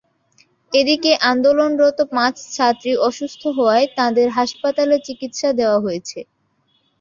এদিকে আন্দোলনরত পাঁচ ছাত্রী অসুস্থ হওয়ায় তাঁদের হাসপাতালে চিকিৎসা দেওয়া হয়েছে।